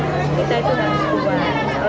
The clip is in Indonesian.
kalau nanti kehidupan kita kebawah